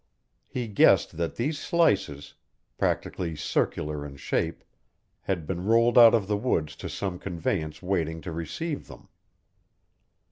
He guessed that these slices, practically circular in shape, had been rolled out of the woods to some conveyance waiting to receive them.